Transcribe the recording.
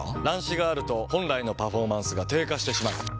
乱視があると本来のパフォーマンスが低下してしまう。